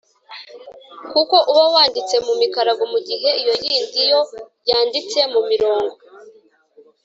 kuko uba wanditse mu mikarago mu gihe iyo yindi yo yanditse mu mirongo.